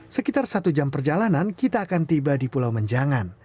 sekitar satu jam perjalanan kita akan tiba di pulau menjangan